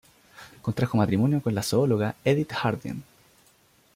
Contrajo matrimonio con la zoóloga Edith Hardin.